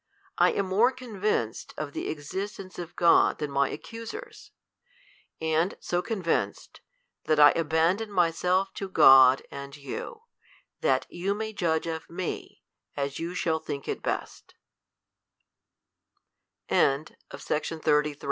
I am more convinced of the existence of God than my accusers; and so con vinced, that r abandon myself to God and you, that you may judge of me as you shallf think it best. L 2 Dialogue i.